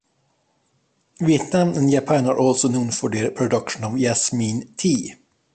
Vietnam and Japan are also known for the production of jasmine tea.